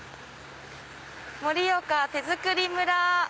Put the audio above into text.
「盛岡手づくり村」。